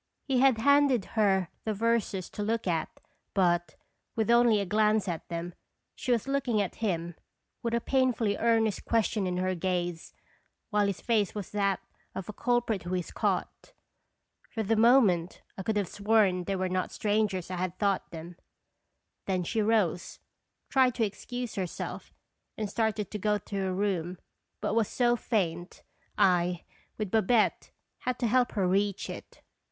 He had handed her the verses to look at, but, with only a glance at them, she was looking at him with a painfully earnest question in her gaze, while his face was that of a culprit who is caught. For the moment I could have sworn they were not the strangers I had thought them. Then she rose, tried to excuse herself, and started to go to her room, but was so faint, I, with Babette, had to help her reach it.